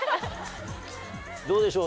どうでしょう？